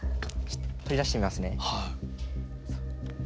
取り出してみますね。